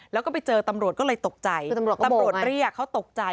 แล้วก็ไปเจอตำรวจก็เลยตกใจตำรวจเรียกเขาตกใจ